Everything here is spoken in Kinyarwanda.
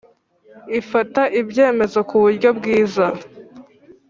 Ifata ibyemezo ku buryo bwiza